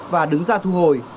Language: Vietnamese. và đứng ra thu hồi